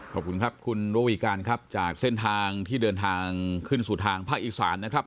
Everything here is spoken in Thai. ขอบคุณครับคุณระวีการครับจากเส้นทางที่เดินทางขึ้นสู่ทางภาคอีสานนะครับ